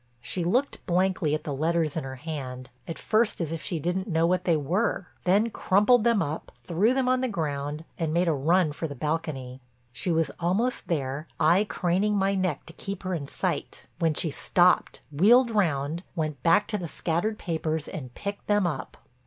She looked blankly at the letters in her hand, at first as if she didn't know what they were, then crumpled them, threw them on the ground and made a run for the balcony. She was almost there, I craning my neck to keep her in sight, when she stopped, wheeled around, went back to the scattered papers and picked them up.